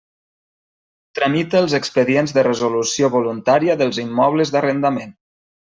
Tramita els expedients de resolució voluntària dels immobles d'arrendament.